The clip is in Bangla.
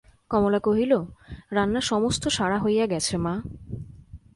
কমলা কহিল, রান্না সমস্ত সারা হইয়া গেছে মা।